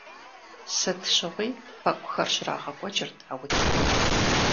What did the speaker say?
Сыт щыгъуи пэкӀухэр щрагъэкӀуэкӀырт а утыкум.